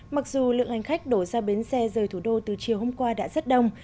mặc dù lượng hành khách đổ ra bến xe rời thủ đô từ chiều hôm qua đã rất đông